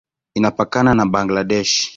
Inapakana na Bangladesh.